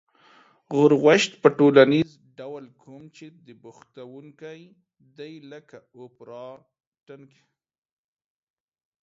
غورغوشت په ټولیز ډول کوم چې بوختوونکي دی لکه: اوپرا، ټنگټکور